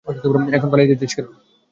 এখন পালিয়ে যাচ্ছিস কেন?